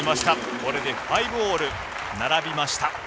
これで５オール、並びました。